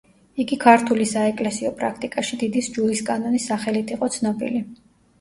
იგი ქართული საეკლესიო პრაქტიკაში „დიდი სჯულისკანონის“ სახელით იყო ცნობილი.